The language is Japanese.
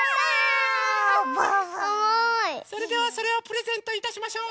それではそれをプレゼントいたしましょう。